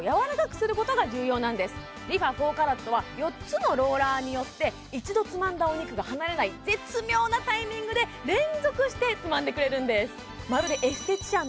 ＣＡＲＡＴは４つのローラーによって一度つまんだお肉が離れない絶妙なタイミングで連続してつまんでくれるんです